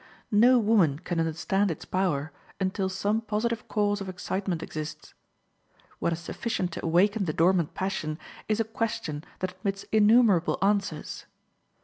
No woman can understand its power until some positive cause of excitement exists. What is sufficient to awaken the dormant passion is a question that admits innumerable answers.